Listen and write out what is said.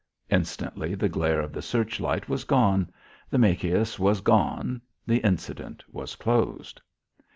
Instantly the glare of the search light was gone; the Machias was gone; the incident was closed.